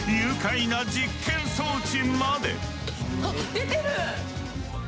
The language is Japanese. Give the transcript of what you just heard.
出てる。